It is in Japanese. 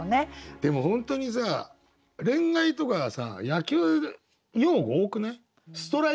でも本当にさ恋愛とかはさ野球用語多くない？